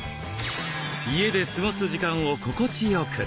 家で過ごす時間を心地よく。